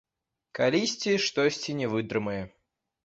Калісьці штосьці не вытрымае.